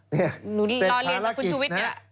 นี่เสร็จภารกิจนะ